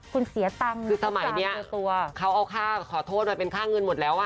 คุณเสียตังค์คือสมัยนี้เขาเอาค่าขอโทษมาเป็นค่าเงินหมดแล้วอ่ะ